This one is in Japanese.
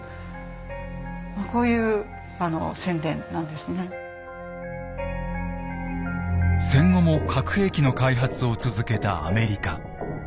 でしかも戦後も核兵器の開発を続けたアメリカ。